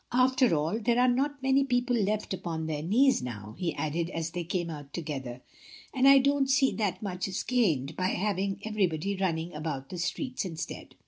After all there are not many people left upon their knees now," he added as they came out together, "and I don't see that much is gained by having everybody running about the streets instead."